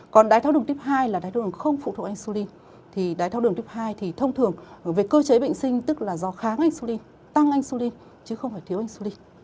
còn đai tháo đường type hai là đai tháo đường không phụ thuộc insulin thì đai tháo đường type hai thì thông thường về cơ chế bệnh sinh tức là do kháng insulin tăng insulin chứ không phải thiếu insulin